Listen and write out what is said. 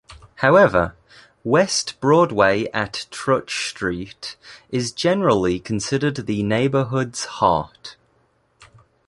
However, West Broadway at Trutch Street is generally considered the neighbourhood's heart.